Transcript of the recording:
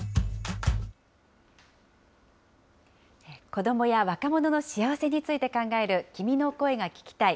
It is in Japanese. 子どもや若者の幸せについて考える君の声が聴きたい。